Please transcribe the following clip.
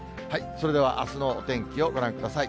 それではあすのお天気をご覧ください。